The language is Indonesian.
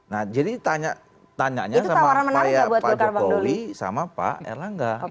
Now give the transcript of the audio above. nah jadi tanyanya sama pak jokowi sama pak erlangga